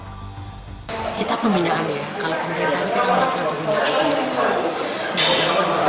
kita pembinaan ya kalau pemerintah kita pembinaan